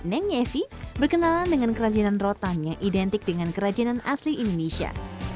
neng nyesi berkenalan dengan kerajinan rotangnya identik dengan kerajinan asli indonesia